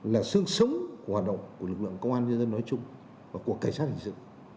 là sương sống của hoạt động của lực lượng công an nhân dân nói chung và của cảnh sát hình sự